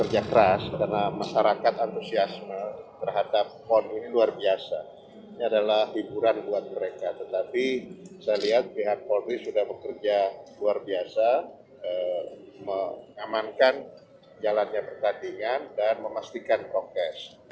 jalannya pertandingan dan memastikan prokes